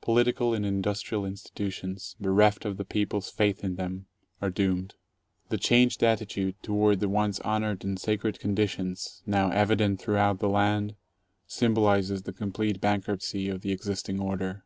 Political and industrial insti tutions, bereft of the people's faith in them, are doomed. The changed attitude toward the once honored and sacred conditions, now evident throughout the land, symbolizes the complete bankruptcy of the existing order.